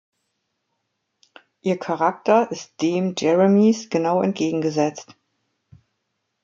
Ihr Charakter ist dem Jeremys genau entgegengesetzt.